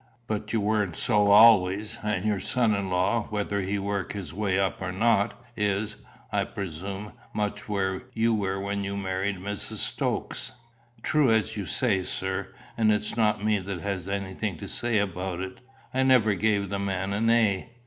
"But you weren't so always; and your son in law, whether he work his way up or not, is, I presume, much where you were when you married Mrs. Stokes?" "True as you say, sir; and it's not me that has anything to say about it. I never gave the man a nay.